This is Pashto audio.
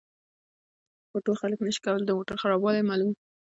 خو ټول خلک نشي کولای د موټر خرابوالی معلوم کړي